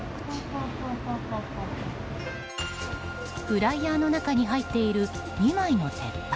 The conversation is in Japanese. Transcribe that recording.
フライヤーの中に入っている２枚の鉄板。